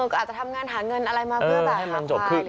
ก็อาจจะทำงานหาเงินอะไรมาเพื่อแบบหาควายหรืออะไร